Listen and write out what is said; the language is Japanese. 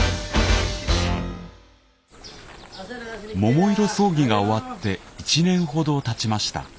桃色争議が終わって１年ほどたちました。